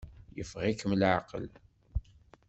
Yeffeɣ-ikem leɛqel.